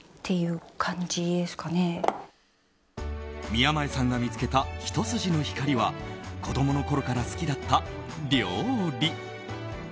宮前さんが見つけたひと筋の光は子供のころから好きだった料理。